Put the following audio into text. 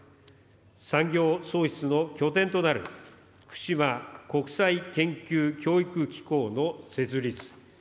産業創出の拠点となる、福島国際研究教育機構の設立。